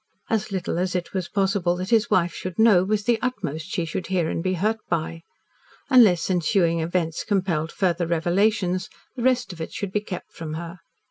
As little as it was possible that his wife should know, was the utmost she must hear and be hurt by. Unless ensuing events compelled further revelations, the rest of it should be kept from her.